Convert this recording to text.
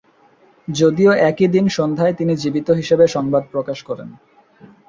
যদিও একই দিন সন্ধ্যায় তিনি জীবিত হিসেবে সংবাদ প্রকাশ করে।